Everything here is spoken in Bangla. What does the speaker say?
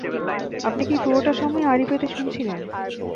আপনি কি পুরোটা সময়েই আড়ি পেতে শুনছিলেন?